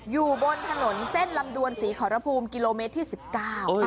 อยู่บนถนนเส้นลำดวนศรีขอรภูมิกิโลเมตรที่สิบเก้า